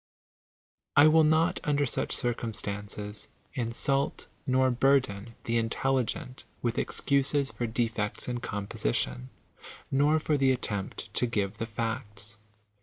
I will not, under such oirounistanoes, insult nor burden the intelligent with excuses for defects in composition, nor for the attempt to give the facts.